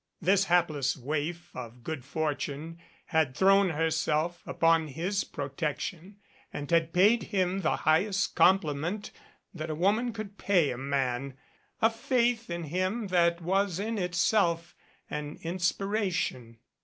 This hapless waif of good fortune had thrown her self upon his protection and had paid him the highest compliment that a woman could pay a man a faith in him that was in itself an inspiration.